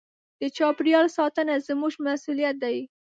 د چاپېریال ساتنه زموږ مسوولیت دی.